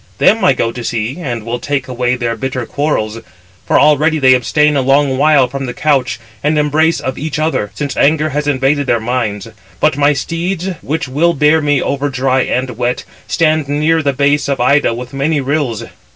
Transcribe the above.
Them I go to see, and will take away their bitter quarrels. For already they abstain a long while from the couch and embrace of each other; since anger has invaded their minds. But my steeds, which will bear me over dry and wet, stand near the base of Ida with many rills.